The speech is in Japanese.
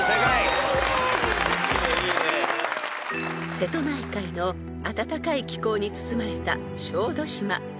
［瀬戸内海の暖かい気候に包まれた小豆島］